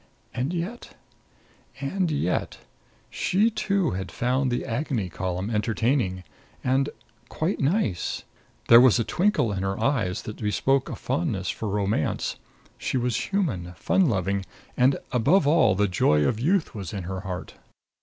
And yet and yet She, too, had found the Agony Column entertaining and quite nice. There was a twinkle in her eyes that bespoke a fondness for romance. She was human, fun loving and, above all, the joy of youth was in her heart.